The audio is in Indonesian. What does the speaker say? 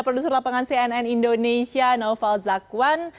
produser lapangan cnn indonesia naufal zakwan